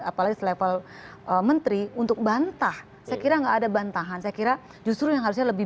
apalagi level menteri untuk bantah sekitar enggak ada bantahan sekira justru yang harusnya lebih